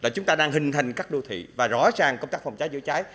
chúng ta đang hình thành các đô thị và rõ ràng công tác phòng cháy chữa cháy